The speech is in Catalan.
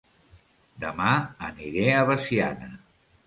Dema aniré a Veciana